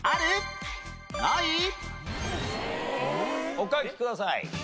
お書きください。